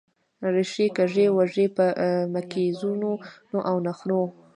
ریښې کږې وږې په مکیزونو او نخرو